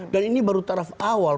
dan ini baru taraf awal